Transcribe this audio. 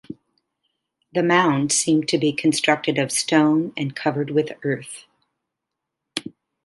The mound seemed to be constructed of stone and covered with earth.